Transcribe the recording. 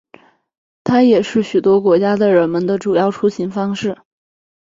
它也是许多国家的人们的主要出行方式。